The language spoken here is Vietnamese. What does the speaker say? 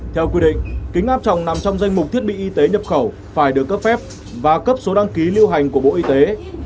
theo quy định kính áp tròng nằm trong danh mục thiết bị y tế nhập khẩu phải được cấp phép và cấp số đăng ký lưu hành của bộ y tế